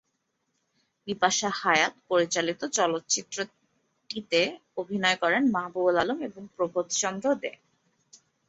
বিপাশা হায়াত পরিচালিত চলচ্চিত্রটিতে অভিনয় করেন মাহবুব-উল আলম এবং প্রবোধচন্দ্র দে।